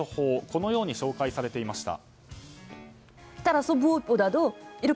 このように紹介されていました。